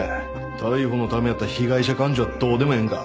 逮捕のためやったら被害者感情はどうでもええんか？